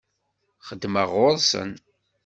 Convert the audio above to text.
Xeddmeɣ ɣur-sen.